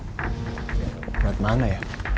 tunggu sekitar mana ya